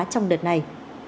trong đợt này